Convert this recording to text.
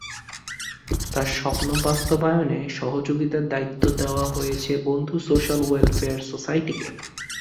তাঁর স্বপ্ন বাস্তবায়নে সহযোগিতার দায়িত্ব দেওয়া হয়েছে বন্ধু সোশ্যাল ওয়েলফেয়ার সোসাইটিকে।